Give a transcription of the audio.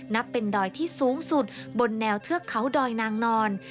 นับเป็นดอยที่สูงสุดบนแนวเทือกเขาดอยนางนอน